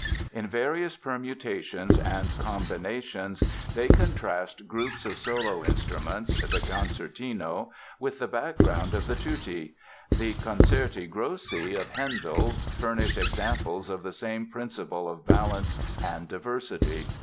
In various permutations and combinations they contrast groups of solo instruments (the "concertino") with the background of the "tutti." The "concerti grossi" of Handel furnish examples of the same principle of balance and diversity.